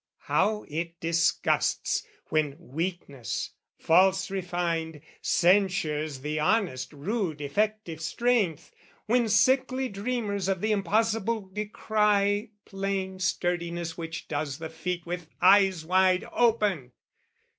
How it disgusts when weakness, false refined, Censures the honest rude effective strength, When sickly dreamers of the impossible Decry plain sturdiness which does the feat With eyes wide open!